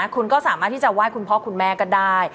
คุณก็สามารถที่จะไหว้คุณพ่อคุณแม่ก็ได้